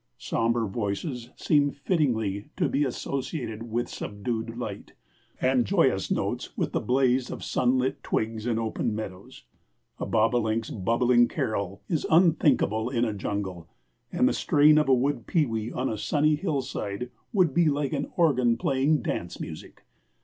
Sombre voices seem fittingly to be associated with subdued light, and joyous notes with the blaze of sunlit twigs and open meadows. A bobolink's bubbling carol is unthinkable in a jungle, and the strain of a wood pewee on a sunny hillside would be like an organ playing dance music.